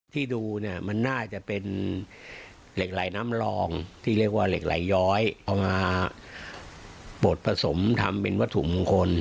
ที่เรียกว่าเหล็กไหลย้อยเอามาโปรดผสมทำเป็นวัตถุมงคล